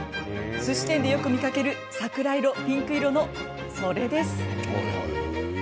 すし店でよく見かける桜色、ピンク色のそれです。